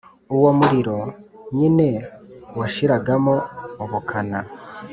uwo muriro nyine washiragamo ubukana.